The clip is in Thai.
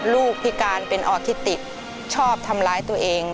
พิการเป็นออทิติชอบทำร้ายตัวเอง